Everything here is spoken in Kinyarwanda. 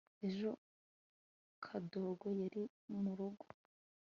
ejo kadogo yari murugo